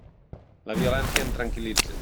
La violència em tranquil·litza.